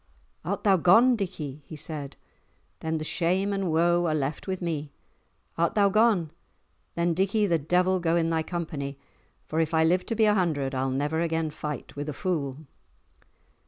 "Art thou gone, Dickie?" he said. "Then the shame and woe are left with me. Art thou gone? Then, Dickie, the devil go in thy company, for if I live to be a hundred, I'll never again fight with a fool."